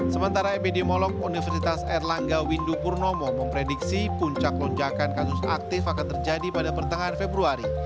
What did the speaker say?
sementara epidemiolog universitas erlangga windu purnomo memprediksi puncak lonjakan kasus aktif akan terjadi pada pertengahan februari